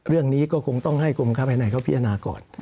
เรื่องนี้ก็คงต้องให้กรมค้าภายในเขาพิจารณาก่อน